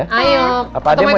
sini askara sama oma